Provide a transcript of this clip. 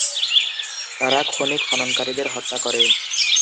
তারা খনি-খননকারীদের হত্যা করে।